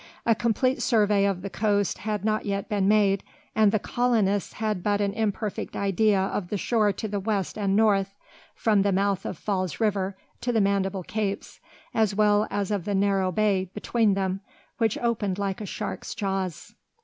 A complete survey of the coast had not yet been made, and the colonists had but an imperfect idea of the shore to the west and north, from the mouth of Falls River to the Mandible Capes, as well as of the narrow bay between them, which opened like a shark's jaws.